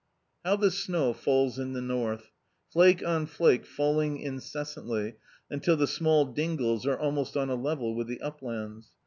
How the snow falls in the north ! Flake on flake falling incessantly, until the small dingles are almost on a level with the uplands.